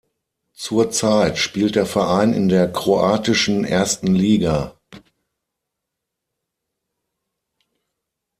Zurzeit spielt der Verein in der kroatischen ersten Liga.